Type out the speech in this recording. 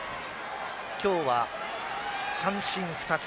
今日は三振２つ。